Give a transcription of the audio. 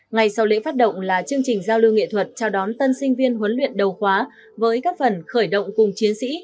ngày sau lễ phát động là chương trình giao lưu nghệ thuật chào đón tân sinh viên huấn luyện đầu khóa với các phần khởi động cùng chiến sĩ